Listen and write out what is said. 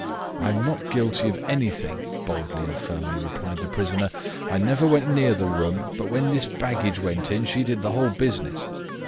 "I am not guilty of anything," boldly and firmly replied the prisoner. "I never went near the room, but when this baggage went in she did the whole business."